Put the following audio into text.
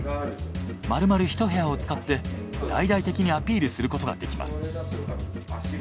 まるまるひと部屋を使って大々的にアピールすることができます。